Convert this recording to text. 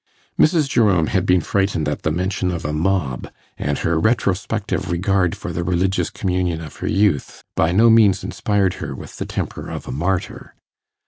Mrs. Jerome had been frightened at the mention of a mob, and her retrospective regard for the religious communion of her youth by no means inspired her with the temper of a martyr.